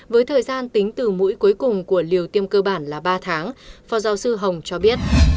với thời gian tính từ mũi cuối cùng của liều tiêm cơ bản là ba tháng phó giáo sư hồng cho biết